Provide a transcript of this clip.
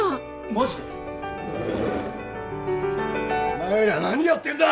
・お前ら何やってんだ！